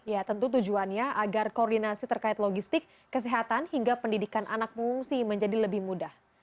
ya tentu tujuannya agar koordinasi terkait logistik kesehatan hingga pendidikan anak pengungsi menjadi lebih mudah